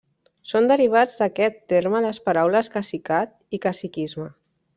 Són derivats d'aquest terme les paraules cacicat i caciquisme.